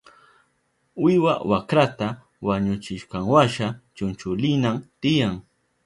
Wiwa wakrata wañuchishkanwasha chunchulinan tiyan.